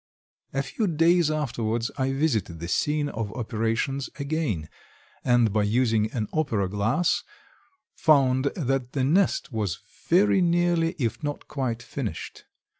A few days afterwards I visited the scene of operations again, and by using an opera glass found that the nest was very nearly if not quite finished.